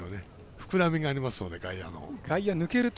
膨らみがありますから、外野の。